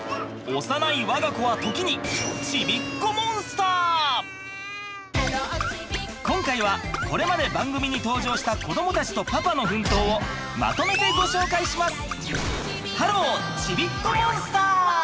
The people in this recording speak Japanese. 幼い我が子は時に今回はこれまで番組に登場した子どもたちとパパの奮闘をまとめてご紹介します。